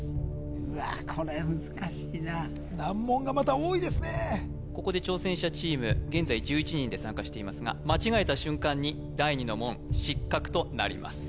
うわこれは難しいなここで挑戦者チーム現在１１人で参加していますが間違えた瞬間に第二の門失格となります